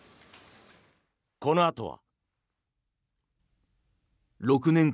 このあとは。